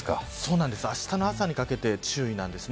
あしたの朝にかけて注意なんです。